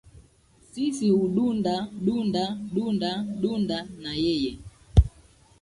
Sisi hudunda dunda, dunda dunda na yeye.